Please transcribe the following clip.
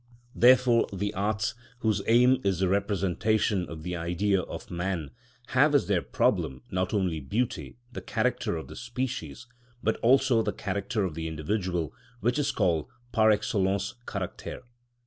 Therefore the arts whose aim is the representation of the Idea of man, have as their problem, not only beauty, the character of the species, but also the character of the individual, which is called, par excellence, character.